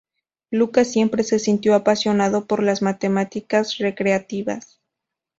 Lucas siempre se sintió apasionado por las matemáticas recreativas.